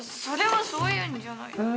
それはそういうんじゃない。